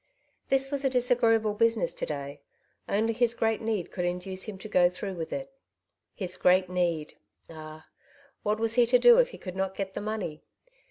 This was a disagreeable business to day ; only his great need could induce him to go through with it. His great need ! Ah ! what was he to do if he could not get the money